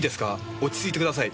落ち着いてください。